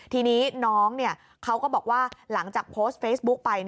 ทีนี้น้องเขาก็บอกว่าหลังจากโพสต์เฟซบุ๊กไป